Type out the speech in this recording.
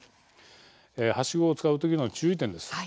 はしごを使う時の注意点です。